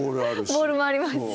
ボウルもありますし。